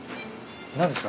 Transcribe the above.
何ですか？